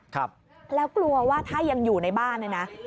ครับแล้วกลัวว่าถ้ายังอยู่ในบ้านเนี่ยนะ